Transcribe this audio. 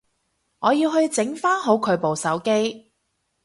我要去整返好佢部手機